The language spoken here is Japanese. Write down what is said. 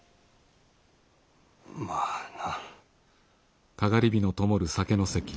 まあな。